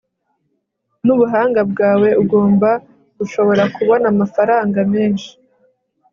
nubuhanga bwawe, ugomba gushobora kubona amafaranga menshi